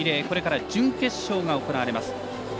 これから準決勝が行われます。